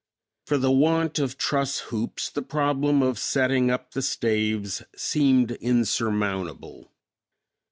For the want of truss hoops, the problem of setting up the staves seemed insurmountable.